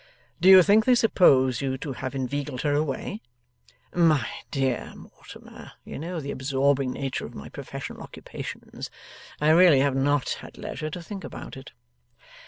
'Do you think they suppose you to have inveigled her away?' 'My dear Mortimer, you know the absorbing nature of my professional occupations; I really have not had leisure to think about it.